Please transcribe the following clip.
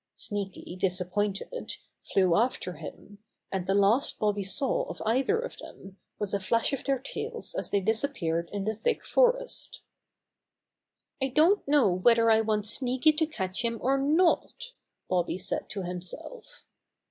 Sneaky, disappointed, flew after him, and the last Bobby saw of either of them was a flash of their tails as they disappeared in the thick forest. "I don't know whether I want Sneaky to catch him or not," Bobby said to himself.